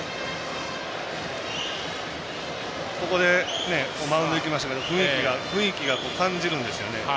ここでマウンド行きましたけど雰囲気が感じるんですよね。